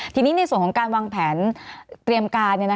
ทีนี้ในส่วนของการวางแผนเตรียมการเนี่ยนะคะ